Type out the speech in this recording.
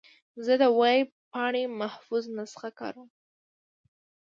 زه د ویب پاڼې محفوظ نسخه کاروم.